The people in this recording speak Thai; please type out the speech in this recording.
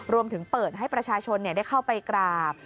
รวมถึงเปิดให้ประชาชนได้เข้าไปกราบ